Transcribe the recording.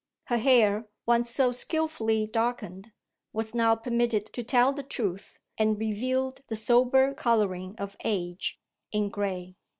Her hair, once so skilfully darkened, was now permitted to tell the truth, and revealed the sober colouring of age, in gray.